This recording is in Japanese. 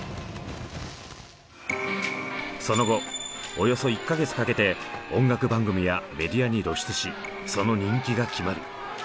その後およそ１か月かけて音楽番組やメディアに露出しその人気が決まる。